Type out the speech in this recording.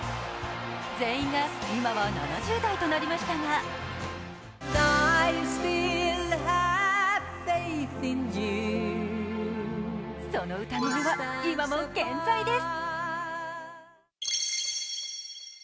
全員が今は７０代となりましたがその歌声は今も健在です。